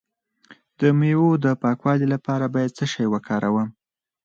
د میوو د پاکوالي لپاره باید څه شی وکاروم؟